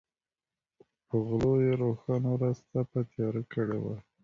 په غلو یې روښانه ورځ تپه تیاره کړې وه.